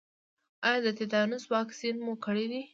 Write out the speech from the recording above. ایا د تیتانوس واکسین مو کړی دی؟